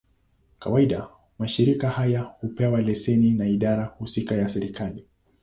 Kawaida, mashirika haya hupewa leseni na idara husika ya serikali.